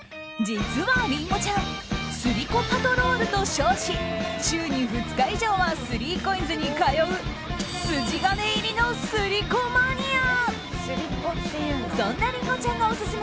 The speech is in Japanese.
実は、りんごちゃんスリコパトロールと称し週に２日以上はスリーコインズに通う筋金入りのスリコマニア。